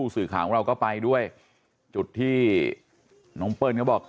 สื่อข่าวของเราก็ไปด้วยจุดที่น้องเปิ้ลเขาบอก